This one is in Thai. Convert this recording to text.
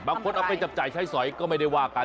เอาไปจับจ่ายใช้สอยก็ไม่ได้ว่ากัน